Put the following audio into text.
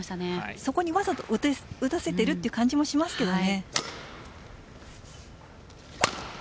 そこにまさに打たせているという感じもありますね。